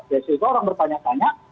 biasanya orang bertanya tanya